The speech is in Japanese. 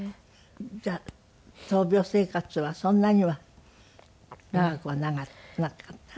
じゃあ闘病生活はそんなには長くはなかった？